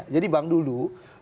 jadi bang dulu